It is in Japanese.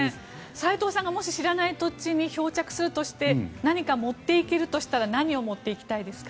斎藤さんがもし知らない土地に漂着するとして何か持っていけるとしたら何を持っていきますか。